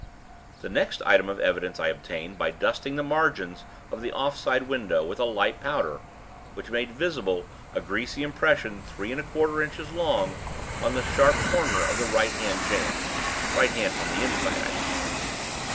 "The next item of evidence I obtained by dusting the margins of the off side window with a light powder, which made visible a greasy impression three and a quarter inches long on the sharp corner of the right hand jamb (right hand from the inside, I mean).